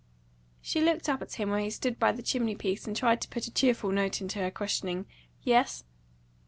She looked up at him where he stood by the chimney piece, and tried to put a cheerful note into her questioning "Yes?"